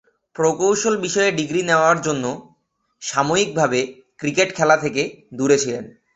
প্রকৌশল বিষয়ে ডিগ্রি নেয়ার জন্যে সাময়িকভাবে ক্রিকেট খেলা থেকে দূরে ছিলেন।